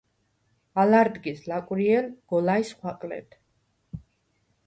ალ არდგილს ლაკურიჲელ გოლაჲს ხვაყლედ.